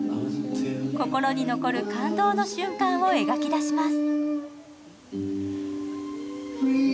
心に残る感動の瞬間を描き出します。